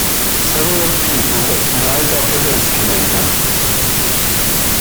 Several people ride up an escalator.